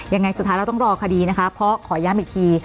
ยังไงสุดท้ายเราต้องรอคดีนะคะเพราะขอย้ำอีกที